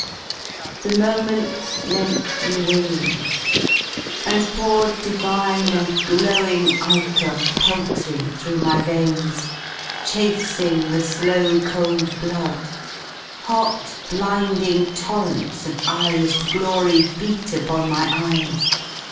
The moment lent me wings, and poured divine And glowing ichor pelting through my veins Chasing the slow cold blood; hot blinding torrents Of iris ed glory beat upon my eyes.